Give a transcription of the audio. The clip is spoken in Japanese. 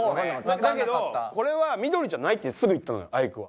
だけど「これは緑じゃない？」ってすぐ言ったのアイクは。